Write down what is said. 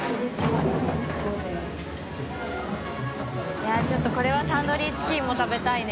いやちょっとこれはタンドリーチキンも食べたいね。